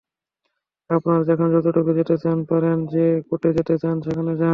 আপনারা যেখানে যতুটুকু যেতে চান যেতে পারেন, যে কোর্টে যেতে চান সেখানে যান।